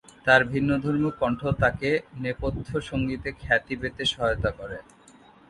তার ভিন্নধর্মী কণ্ঠ তাকে নেপথ্য সঙ্গীতে খ্যাতি পেতে সহায়তা করে।